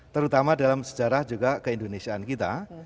terutama dalam sejarah juga keindonesiaan kita